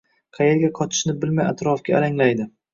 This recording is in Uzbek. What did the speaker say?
Qayerga qochishni bilmay atrofga alanglaydi.